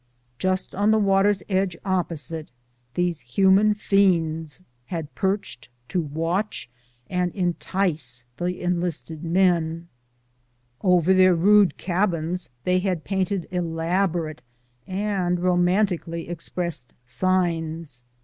Just on the water's edge opposite, these human fiends had perched to watcli and entice the enlisted men. Over their rude 230 BOOTS AND SADDLES. cabins they had painted elaborate and romantically ex pressed signs.